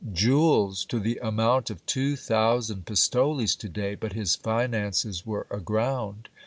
305 jewels to the amount of two thousand pistoles to day, but his finances were aground.